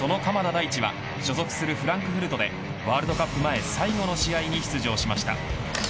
大地は所属するフランクフルトでワールドカップ前最後の試合に出場しました。